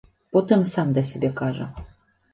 Потым сам да сябе кажа.